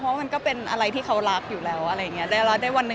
เพราะมันก็เป็นอะไรที่เขารักอยู่แล้ว